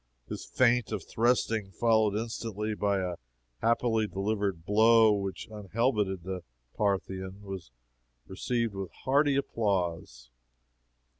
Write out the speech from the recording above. His feint of thrusting, followed instantly by a happily delivered blow which unhelmeted the Parthian, was received with hearty applause.